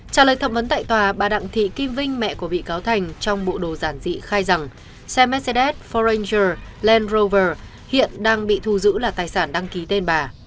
trả lời thẩm vấn tại tòa bà đặng thị kim vinh mẹ của bị cáo thành trong bộ đồ giản dị khai rằng xe mercedes forrang land rover hiện đang bị thu giữ là tài sản đăng ký tên bà